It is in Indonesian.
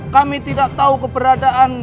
kami tidak tahu keberadaan